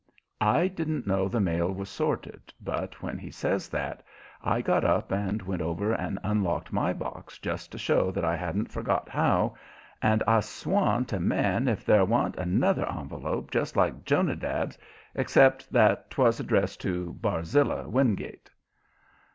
I didn't know the mail was sorted, but when he says that I got up and went over and unlocked my box, just to show that I hadn't forgot how, and I swan to man if there wa'n't another envelope, just like Jonadab's, except that 'twas addressed to "Barzilla Wingate."